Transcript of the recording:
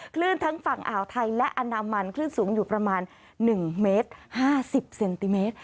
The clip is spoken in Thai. ทั้งฝั่งอ่าวไทยและอนามันคลื่นสูงอยู่ประมาณ๑เมตร๕๐เซนติเมตร